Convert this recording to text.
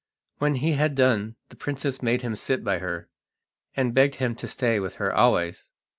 When he had done the princess made him sit by her, and begged him to stay with her always.